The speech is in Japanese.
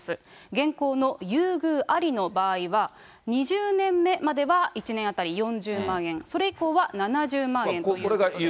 現行の優遇ありの場合は、２０年目までは１年当たり４０万円、それ以降は７０万円ということです。